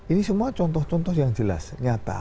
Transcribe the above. ini semua contoh contoh yang jelas nyata